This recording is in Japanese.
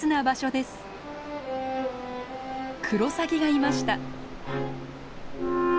クロサギがいました。